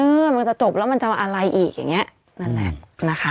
มันจะจบแล้วมันจะอะไรอีกอย่างเงี้ยนั่นแหละนะคะ